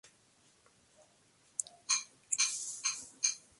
Cada uno se marcha por una puerta diferente.